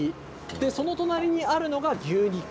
その隣にあるのは牛肉。